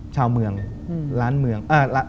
ชาวเมืองล้านเมือง